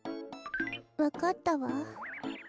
わかったわ。